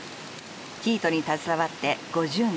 生糸に携わって５０年。